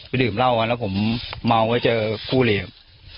ไปดื่มเหล้านะครับแล้วผมเมาไว้เจอคู่เหลียว